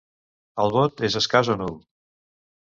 El bot és escàs o nul.